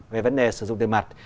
về vấn đề sử dụng tiền mặt